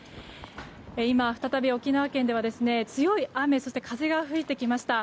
今、再び沖縄県では強い雨風が吹いてきました。